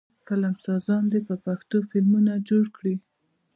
فلمسازان دې په پښتو فلمونه جوړ کړي.